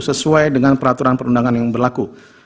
sesuai dengan peraturan perundangan yang berlaku